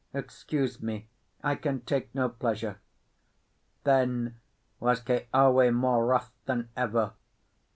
Excuse me, I can take no pleasure." Then was Keawe more wroth than ever.